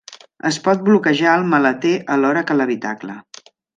Es pot bloquejar el maleter alhora que l'habitacle.